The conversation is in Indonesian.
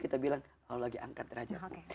kita bilang allah lagi angkat derajat